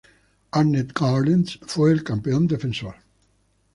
Arnett Gardens fue el campeón defensor.